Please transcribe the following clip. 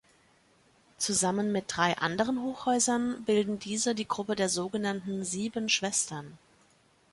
Zusammen mit drei anderen Hochhäusern bilden diese die Gruppe der sogenannten „Sieben Schwestern“.